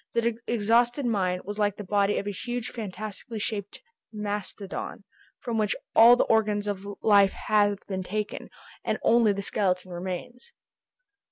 The exhausted mine was like the body of a huge fantastically shaped mastodon, from which all the organs of life have been taken, and only the skeleton remains.